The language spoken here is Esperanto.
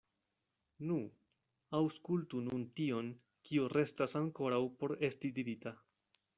Nu, aŭskultu nun tion, kio restas ankoraŭ por esti dirita.